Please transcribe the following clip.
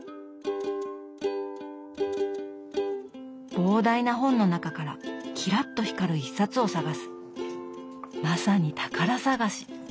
膨大な本の中からキラッと光る１冊を探すまさに宝探し。